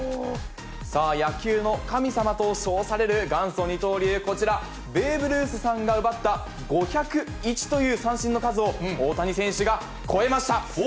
さあ、野球の神様と称される、元祖二刀流、こちら、ベーブ・ルースさんが奪った５０１という三振の数を、大谷選手が超えました。